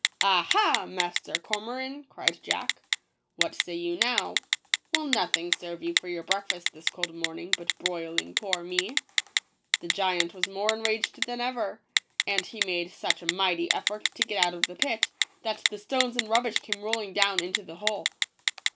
"Aha, Master Cormoran," cried jack, "what say you now — will nothing serve you for your breakfast this cold morning but broiling poor me ?" The giant was more enraged than ever ; and he made such a mighty effort to get out of the pit, that the stones and rub bish came rolling down into the hole.